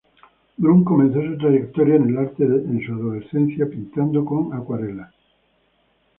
Brun comenzó su trayectoria en el arte en su adolescencia, pintando con acuarelas.